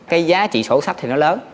cái giá trị sổ sách thì nó lớn